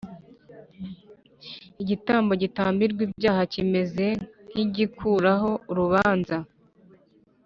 Igitambo gitambirwa ibyaha kimeze n’igikuraho urubanza